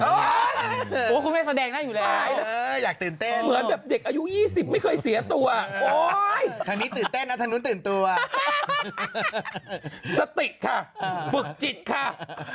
พูดข้องให้บรรที่อยู่เลยอยากตื่นเต้น๒๐ไม่เคยเสียตัวพวนตื่นตัว